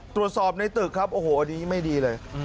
ตรวจสอบในตึกครับโอ้โหอันนี้ไม่ดีเลย